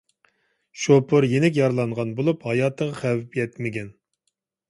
شوپۇر يېنىك يارىلانغان بولۇپ، ھاياتىغا خەۋپ يەتمىگەن.